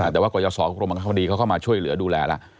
แต่ว่ากรยศรกรมบังคับคดีเขาก็มาช่วยเหลือดูแลแล้ว